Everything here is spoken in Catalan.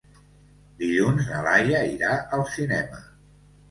Dilluns na Laia irà al cinema.